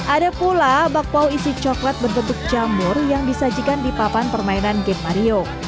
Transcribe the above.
ada pula bakpao isi coklat berbentuk jamur yang disajikan di papan permainan gate mario